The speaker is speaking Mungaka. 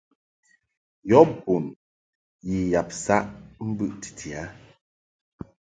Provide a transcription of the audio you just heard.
Yɔ bun yi yab saʼ bɨʼ titi a.